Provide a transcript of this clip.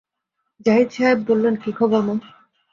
জাহিদ সাহেব বললেন, কি খবর মা?